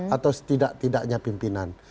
atau setidaknya pimpinan